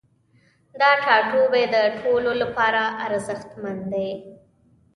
دا ټاتوبی د ټولو لپاره ارزښتمن دی